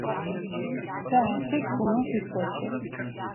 Ve erkek bunu hissetti.